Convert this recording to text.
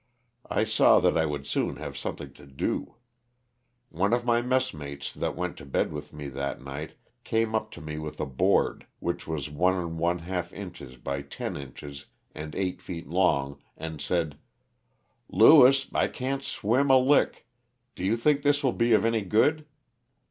I saw that I would soon have something to do. One of my messmates that went to bed with me that night came up to me with a board which was one and one half inches by ten inches and eight feet long, and said, '* Lewis, I can't swim a lick, do you think this will be of any good?"